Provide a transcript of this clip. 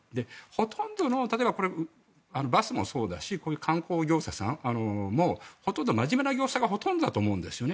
ほとんどの例えば、これ、バスもそうだし観光業者さんも真面目な業者さんがほとんどだと思うんです。